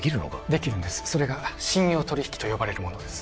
できるんですそれが信用取引と呼ばれるものです